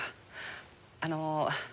あの。